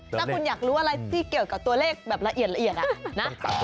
ถ้าคุณอยากรู้อะไรที่เกี่ยวกับตัวเลขแบบละเอียดละเอียดนะ